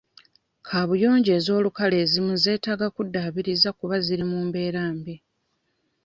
Kaabuyonjo ez'olukale ezimu zeetaaga kuddaabiriza kuba ziri mu mbeera mbi.